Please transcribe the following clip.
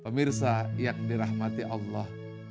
pemirsa yang dirahmati allah